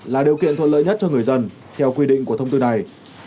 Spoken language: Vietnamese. là điều kiện thuận lợi nhất cho người dân theo quy định của thông tư này